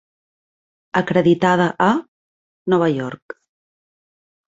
Acreditada a: Nova York.